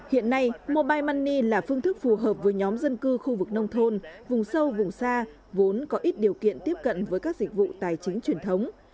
hiện nay mobile money là phương thức phù hợp với nhóm dân cư khu vực nông thôn vùng sâu vùng xa vốn có ít điều kiện tiếp cận với các dịch vụ tài chính truyền thống